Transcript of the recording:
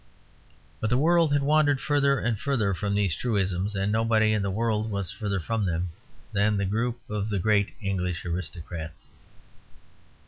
But the world had wandered further and further from these truisms, and nobody in the world was further from them than the group of the great English aristocrats.